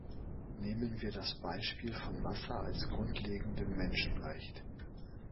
Nehmen wir das Beispiel von Wasser als grundlegendem Menschenrecht.